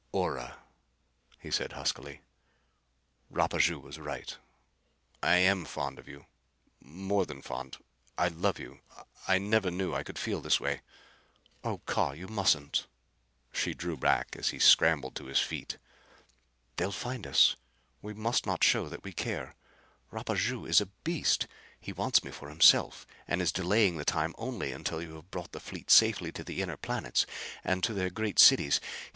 "Ora," he said huskily, "Rapaju was right. I am fond of you. More than fond: I love you. I never knew I could feel this way." "Oh Carr, you mustn't!" She drew back as he scrambled to his feet. "They'll find us. We must not show that we care. Rapaju is a beast. He wants me for himself and is delaying the time only until you have brought the fleet safely to the inner planets and to their great cities.